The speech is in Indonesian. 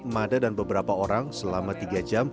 mada dan beberapa orang selama tiga jam